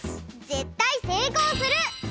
ぜったいせいこうする！